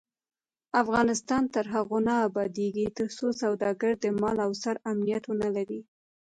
افغانستان تر هغو نه ابادیږي، ترڅو سوداګر د مال او سر امنیت ونلري.